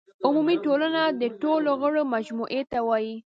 عمومي ټولنه د ټولو غړو مجموعې ته وایي.